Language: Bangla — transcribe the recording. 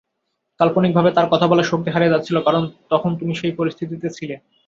কাল্পনিকভাবে তার কথা বলার শক্তি হারিয়ে যাচ্ছিল কারণ তখন তুমি সেই পরিস্থিতিতে ছিলে।